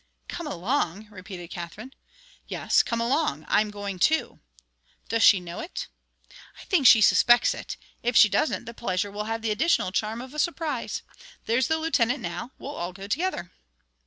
"Come along!" repeated Katherine. "Yes, come along. I'm going, too." "Does she know it?" "I think she suspects it. If she doesn't, the pleasure will have the additional charm of a surprise. There's the Lieutenant now. We'll all go together."